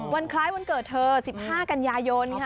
วันคล้ายวันเกิดเธอ๑๕กันยายนค่ะ